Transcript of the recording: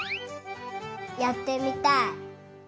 やってみたい。